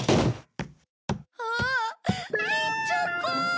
ああ行っちゃった。